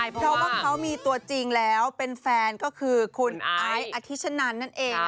เพราะว่าเขามีตัวจริงแล้วเป็นแฟนก็คือคุณไอซ์อธิชนันนั่นเอง